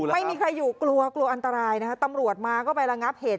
ไม่มีใครอยู่กลัวกลัวอันตรายนะคะตำรวจมาก็ไประงับเหตุ